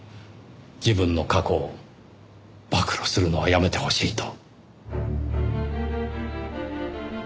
自分の過去を暴露するのはやめてほしいと。